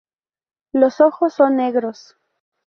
Los ojos son negros.